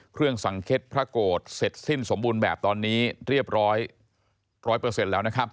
เครื่องสังเก็ตผ้าโกดเสร็จสิ้นสมบูรณ์แบบตอนนี้เรียบร้อย๑๐๐แล้ว